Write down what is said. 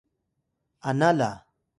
ana la